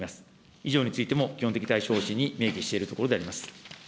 以上についても基本的対処方針に明記しているところであります。